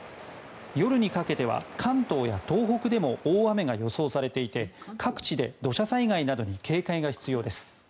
夜にかけては関東や東北でも大雨が予想されていて各地で土砂災害などに警戒が必要です。